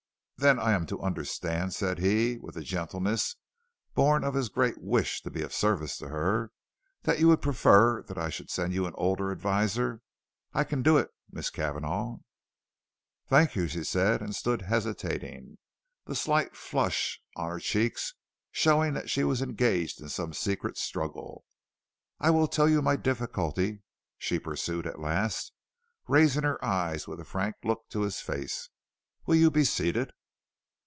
"Then I am to understand," said he, with a gentleness born of his great wish to be of service to her, "that you would prefer that I should send you an older adviser. I can do it, Miss Cavanagh." "Thank you," she said, and stood hesitating, the slight flush on her cheek showing that she was engaged in some secret struggle. "I will tell you my difficulty," she pursued at last, raising her eyes with a frank look to his face. "Will you be seated?"